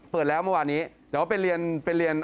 เปิดแล้วเมื่อวานนี้แต่ว่าไปเรียนไปเรียน